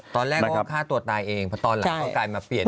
ตอนแรกเขาฆ่าตัวตายเองเพราะตอนหลังก็กลายมาเปลี่ยน